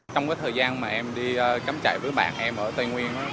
trong thời gian mà em đi cắm chạy với bạn em ở tây nguyên